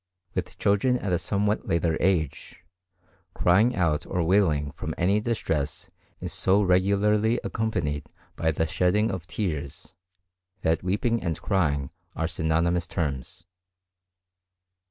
With children at a somewhat later age, crying out or wailing from any distress is so regularly accompanied by the shedding of tears, that weeping and crying are synonymous terms.